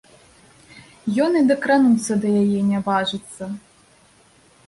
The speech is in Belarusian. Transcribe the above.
Ён і дакрануцца да яе не важыцца.